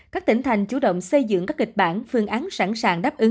các tỉnh thành chủ động xây dựng các kịch bản phương án sẵn sàng đáp ứng